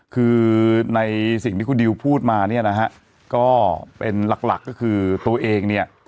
คือในสิ่งที่คุณดิวพูดมาเนี่ยนะฮะก็เป็นหลักก็คือตัวเองเนี่ย